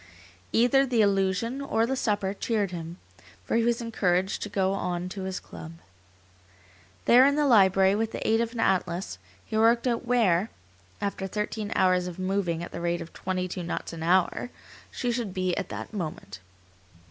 Either the illusion, or the supper cheered him, for he was encouraged to go on to his club. There in the library, with the aid of an atlas, he worked out where, after thirteen hours of moving at the rate of twenty two knots an hour, she should be at that moment.